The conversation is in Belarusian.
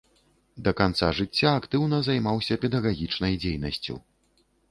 Да канца жыцця актыўна займаўся педагагічнай дзейнасцю.